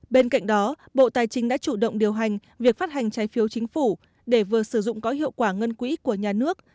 bên cạnh đó bộ tài chính đã chủ động điều hành việc phát hành trái phiếu chính phủ để vừa sử dụng có hiệu quả ngân quỹ của nhà nước